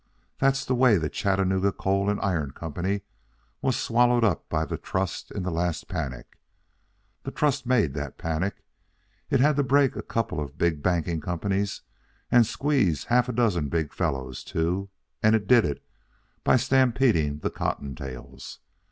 That's the way the Chattanooga Coal and Iron Company was swallowed up by the trust in the last panic. The trust made that panic. It had to break a couple of big banking companies and squeeze half a dozen big fellows, too, and it did it by stampeding the cottontails.